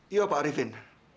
iya pak arifin